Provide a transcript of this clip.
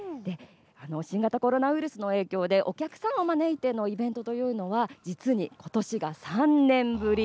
新型コロナウイルスの影響で、お客様を招いてのイベントというのは、実にことしが３年ぶり。